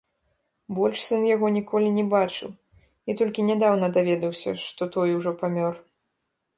Больш сын яго ніколі не бачыў і толькі нядаўна даведаўся, што той ужо памёр.